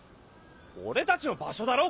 俺達の場所だろ？